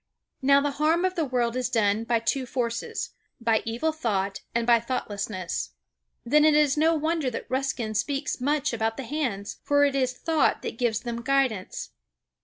Now the harm of the world is done by two forces, by evil thought and by thoughtlessness. Then it is no wonder that Ruskin speaks much about the hands, for it is thought that gives them guidance.